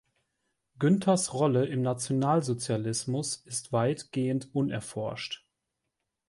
Günthers Rolle im Nationalsozialismus ist weitgehend unerforscht.